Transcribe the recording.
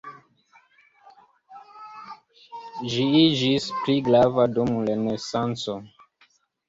Ĝi iĝis pli grava dum Renesanco.